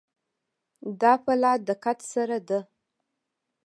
دا په لا دقت سره ده.